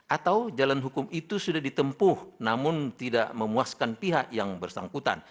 atau jalan hukum itu sudah ditempuh namun tidak memuaskan pihak yang bersangkutan